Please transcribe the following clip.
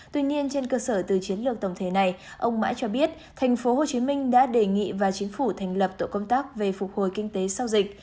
tuy nhiên trên cơ sở từ chiến lược tổng thể này ông mãi cho biết thành phố hồ chí minh đã đề nghị và chính phủ thành lập tổ công tác về phục hồi kinh tế sau dịch